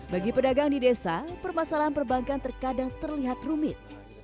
bagi pedagang di desa permasalahan perbankan terkadang terlihat rumit